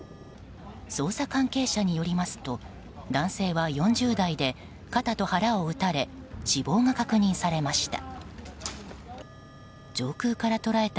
捜査関係者によりますと男性は４０代で肩と腹を撃たれ死亡が確認されました。